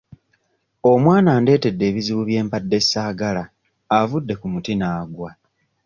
Omwana andeetedde ebizibu bye mbadde ssaagala avudde ku muti n'aggwa.